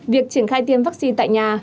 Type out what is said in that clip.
việc triển khai tiêm vaccine tại nhà